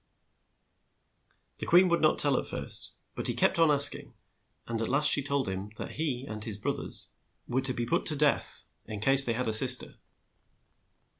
The queen would not tell at first, but he kept on ask ing, and at last she told him that he and his broth ers were to be 120 THE TWELVE BROTHERS put to death in case they had a sis ter.